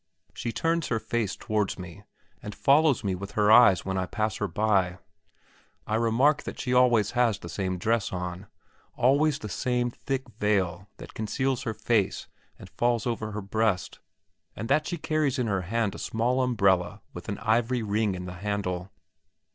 She turns her face towards me and follows me with her eyes when I pass her by I remark that she always has the same dress on, always the same thick veil that conceals her face and falls over her breast, and that she carries in her hand a small umbrella with an ivory ring in the handle.